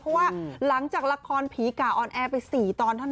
เพราะว่าหลังจากละครภีรกะธนาคารออนแอร์ไปสี่ตอนเท่านั้น